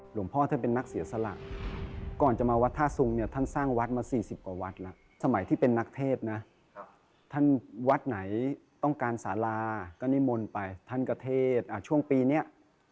หลวงพ่อท่านเป็นนักเสียสละก่อนจะมาวัดท่าสุงเนี่ยท่านสร้างวัดมา๔๐กว่าวัดแล้วสมัยที่เป็นนักเทศนะท่านวัดไหนต้องการสาราก็นิมนต์ไปท่านกระเทศช่วงปีนี้